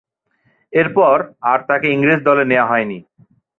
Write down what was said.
এরপর আর তাকে ইংরেজ দলে নেয়া হয়নি।